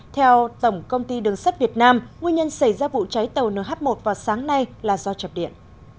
theo tổng công ty đường sắt việt nam nguyên nhân xảy ra vụ cháy tàu nh một vào sáng nay là do chập điện